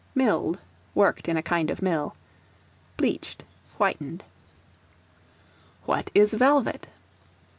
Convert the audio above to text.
Milled, worked in a kind of mill. Bleached, whitened. What is Velvet?